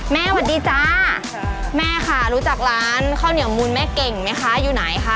สวัสดีจ้าแม่ค่ะรู้จักร้านข้าวเหนียวมูลแม่เก่งไหมคะอยู่ไหนคะ